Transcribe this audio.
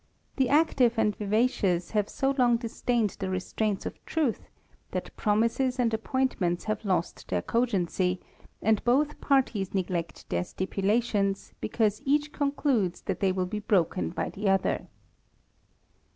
The active and vivacious have so long disdained the restraints of truth, that promises and appointments have lost their cogency, and both parties neglect their stipulations, because each concludes that they will be broken by the other.